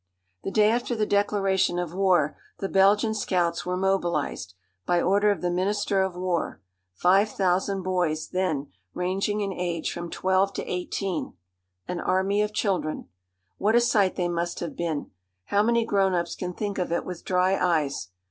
The day after the declaration of war the Belgian scouts were mobilised, by order of the minister of war five thousand boys, then, ranging in age from twelve to eighteen, an army of children. What a sight they must have been! How many grown ups can think of it with dry eyes?